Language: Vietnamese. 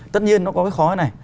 tất nhiên nó có cái khói này